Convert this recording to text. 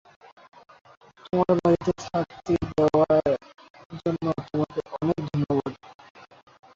তোমার বাড়িতে থাকতে দেওয়ার জন্য তোমাকে অনেক ধন্যবাদ।